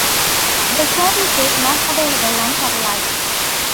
The service is not available on satellite.